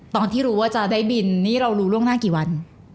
ตอนที่รู้ว่าจะได้บินนี่เรารู้ล่วงหน้ากี่วัน